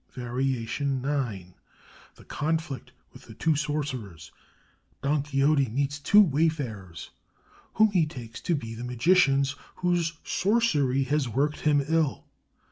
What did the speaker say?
VARIATION IX THE CONFLICT WITH THE TWO SORCERERS Don Quixote meets two wayfarers whom he takes to be the magicians whose sorcery has worked him ill.